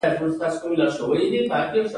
یا د جنېټیکي عواملو په پایله کې ستونزه لري.